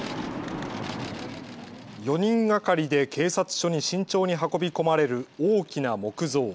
４人がかりで警察署に慎重に運び込まれる大きな木像。